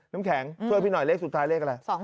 น้ำแข็งช่วยพี่หน่อยเลขสุดท้ายเลขอะไร